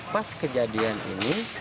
pas kejadian ini